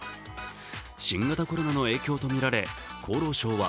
新型コロナの影響とみられ、厚労省は